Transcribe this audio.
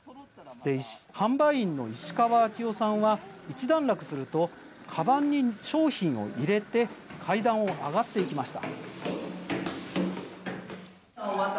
販売員の石川明生さんは一段落するとかばんに商品を入れて階段を上っていきました。